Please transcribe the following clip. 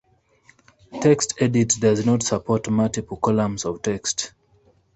TextEdit does not support multiple columns of text.